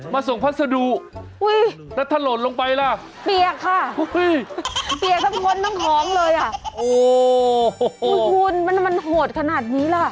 ส่งพัสดุแล้วถล่นลงไปล่ะเปียกค่ะเปียกทั้งคนทั้งของเลยอ่ะโอ้โหคุณมันมันโหดขนาดนี้ล่ะ